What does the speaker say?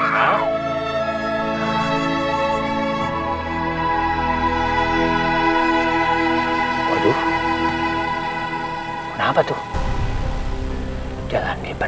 malam ini sampai malamnya